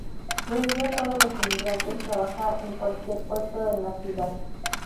Prohibió a todos los inmigrantes trabajar en cualquier puesto en la ciudad.